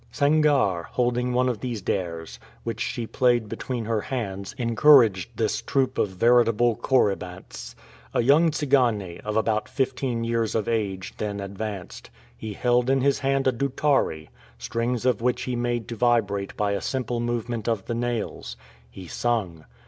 Sangarre, holding one of those daires, which she played between her hands, encouraged this troupe of veritable corybantes. A young Tsigane, of about fifteen years of age, then advanced. He held in his hand a "doutare," strings of which he made to vibrate by a simple movement of the nails. He sung.